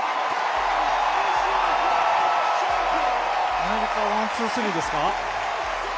アメリカ、ワン、ツー、スリーですか？